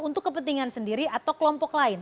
untuk kepentingan sendiri atau kelompok lain